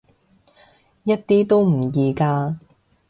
一啲都唔易㗎